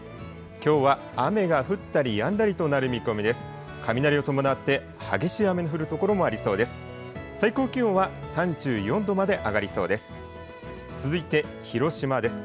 きょうは雨が降ったりやんだりとなる見込みです。